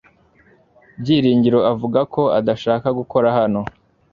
Byiringiro avuga ko adashaka gukora hano